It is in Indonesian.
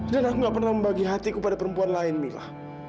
dan aku gak pernah membagi hatiku pada perempuan lain mila